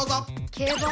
競馬？